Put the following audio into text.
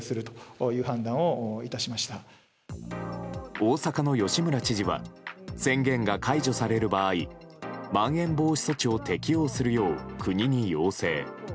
大阪の吉村知事は宣言が解除される場合まん延防止措置を適用するよう国に要請。